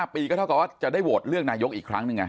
๕ปีก็เท่ากับจะได้โหวดเลือกนายกอีกครั้งด้วยอย่างไร